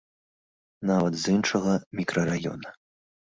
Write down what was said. Нават з іншага мікрараёна.